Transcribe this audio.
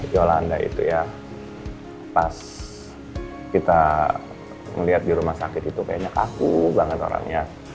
jolanda itu ya pas kita ngeliat di rumah sakit itu kayaknya kaku banget orangnya